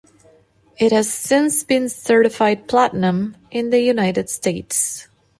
It has since been certified Platinum in the United States.